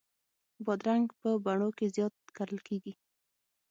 بادرنګ په بڼو کې زیات کرل کېږي.